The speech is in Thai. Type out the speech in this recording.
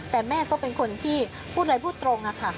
แต่แม่ก็เป็นคนที่พูดใดพูดตรงค่ะ